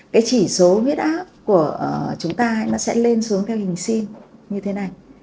cái chỉ số huyết áp của chúng ta nó sẽ lên xuống theo hình sim như thế này